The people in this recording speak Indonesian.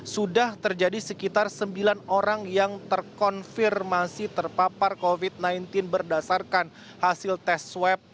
sudah terjadi sekitar sembilan orang yang terkonfirmasi terpapar covid sembilan belas berdasarkan hasil tes swab